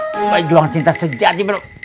pai juang cinta sejati bro